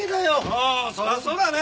ああそりゃそうだね！